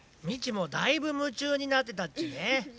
ミチもだいぶ夢中になってたっちね。